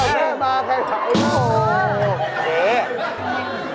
แม่มาใครเผา